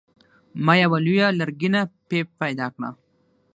ما یوه لویه لرګینه پیپ پیدا کړه.